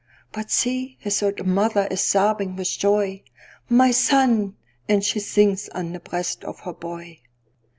But see, his old mother is sobbing with joy:"My son!"—And she sinks on the breast of her boy.